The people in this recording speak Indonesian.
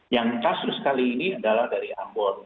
yang kasus kali ini adalah dari ambon